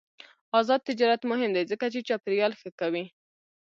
آزاد تجارت مهم دی ځکه چې چاپیریال ښه کوي.